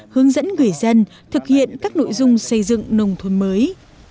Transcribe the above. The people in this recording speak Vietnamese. hướng dẫn người dân thực hiện các nội dung xây dựng nông thôn mới